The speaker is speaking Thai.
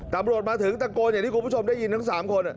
ตำรวจมาถึงตะโกนอย่างที่คุณผู้ชมได้ยินทั้ง๓คน